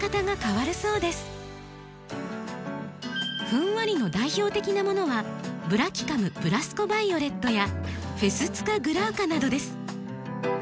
ふんわりの代表的なものはブラキカムブラスコバイオレットやフェスツカグラウカなどです。